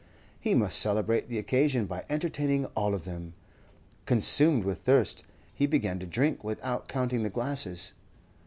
He must celebrate the occasion by entertaining all of them. Consumed with thirst, he began to drink without counting the glasses.